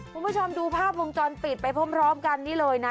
คุณผู้ชมดูภาพวงจรปิดไปพร้อมกันนี่เลยนะ